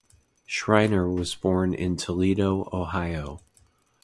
Shriner was born in Toledo, Ohio.